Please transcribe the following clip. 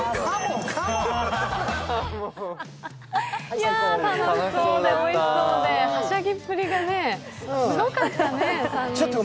いや、楽しそうで、おいしそうで、はしゃぎすぎがね、すごかったね、３人とも。